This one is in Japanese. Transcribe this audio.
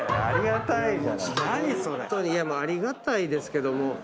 ありがたいですけども。